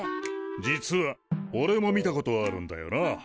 実はおれも見たことあるんだよな。